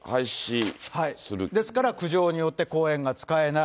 ですから苦情によって、公園が使えない。